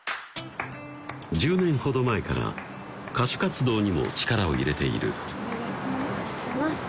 １０年ほど前から歌手活動にも力を入れているお願いします